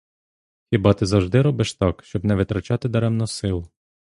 Хіба ти завжди робиш так, щоб не витрачати даремно сил?